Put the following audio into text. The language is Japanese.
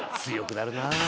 強くなるな。